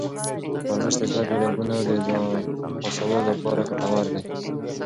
ورزش د زړه د رګونو د خلاصولو لپاره ګټور دی.